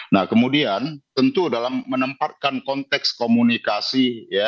nah kemudian tentu dalam menempatkan konteks komunikasi